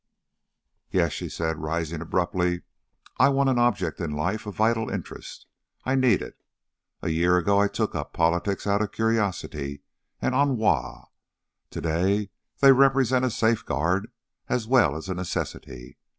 "Yes," she said, rising abruptly, "I want an object in life, a vital interest. I need it! A year ago I took up politics out of curiosity and ennui; to day they represent a safeguard as well as a necessity.